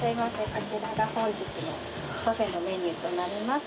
こちらが本日のパフェのメニューとなります。